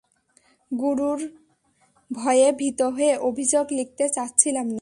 গুরুর ভয়ে ভীত হয়ে অভিযোগ লিখতে চাচ্ছিলাম না?